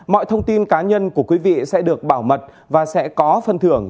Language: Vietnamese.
mọi thông tin cá nhân của quý vị sẽ được bảo mật và sẽ có phân thưởng